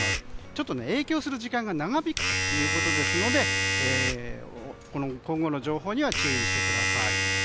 ちょっと影響する時間が長引くということですので今後の情報には注意してください。